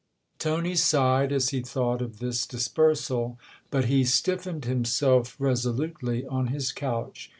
Tony sighed as he thought of this dispersal, but he stiffened himself resolutely on his couch.